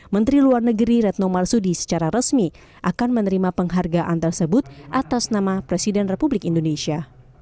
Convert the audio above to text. menteri luar negeri retno marsudi secara resmi akan menerima penghargaan tersebut atas nama presiden republik indonesia